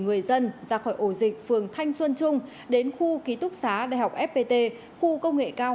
người dân ra khỏi ổ dịch phường thanh xuân trung đến khu ký túc xá đại học fpt khu công nghệ cao